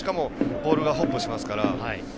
ボールがホップしますから。